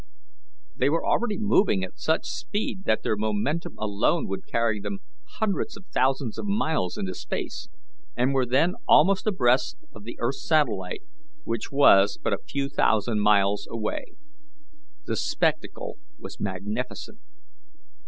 They were already moving at such speed that their momentum alone would carry them hundreds of thousands of miles into space, and were then almost abreast of the earth's satellite, which was but a few thousand miles away. The spectacle was magnificent.